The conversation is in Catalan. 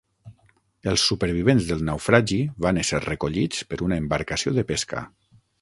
Els supervivents del naufragi van ésser recollits per una embarcació de pesca.